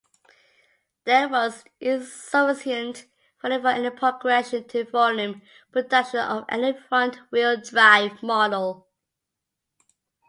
There was insufficient funding for any progression to volume production of any front-wheel-drive model.